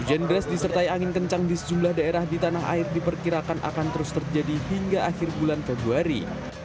hujan deras disertai angin kencang di sejumlah daerah di tanah air diperkirakan akan terus terjadi hingga akhir bulan februari